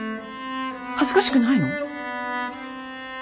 恥ずかしくないの？